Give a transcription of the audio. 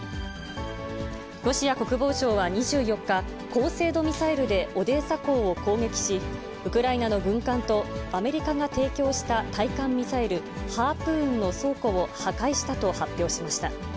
ロシア国防省は２４日、高精度ミサイルでオデーサ港を攻撃し、ウクライナの軍艦とアメリカが提供した対艦ミサイル、ハープーンの倉庫を破壊したと発表しました。